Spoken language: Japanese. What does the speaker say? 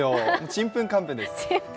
ちんぷんかんぷんです。